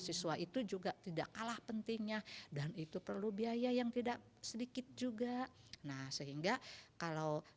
siswa itu juga tidak kalah pentingnya dan itu perlu biaya yang tidak sedikit juga nah sehingga kalau